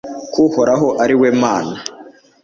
ko uhoraho ari we mana